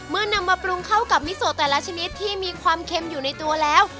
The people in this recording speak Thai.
นำมาปรุงเข้ากับมิโซแต่ละชนิดที่มีความเค็มอยู่ในตัวแล้ว